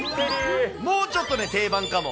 もうちょっと定番かも。